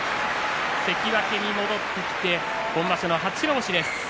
関脇に戻ってきて今場所の初白星です。